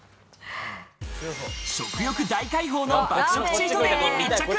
食欲大解放の爆食チートデイに密着！